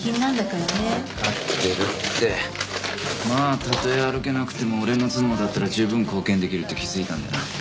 まあたとえ歩けなくても俺の頭脳だったら十分貢献できるって気づいたんでな。